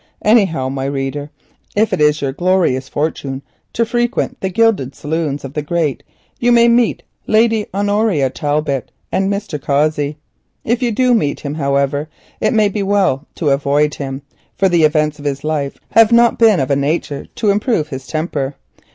Anyhow, my reader, if it is your fortune to frequent the gilded saloons of the great, you may meet Lady Honoria Tallton and Mr. Cossey. If you do meet him, however, it may be as well to avoid him, for the events of his life have not been of a nature to improve his temper.